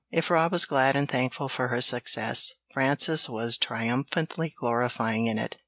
If Rob was glad and thankful for her success, Frances was triumphantly glorying in it.